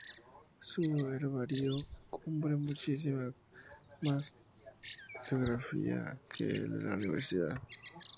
Su herbario cubre muchísima más geografía que el de la Universidad.